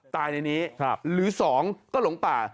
ตายในนี้หรือ๒ก็หลงป่า